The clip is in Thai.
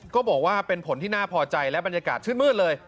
ก็บอกว่าเป็นผลที่น่าพอใจและบรรยากาศชื่นมืดเลย